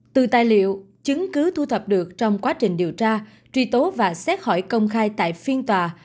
từ tài liệu chứng cứ thu thập được trong quá trình điều tra truy tố và xét hỏi công khai tại phiên tòa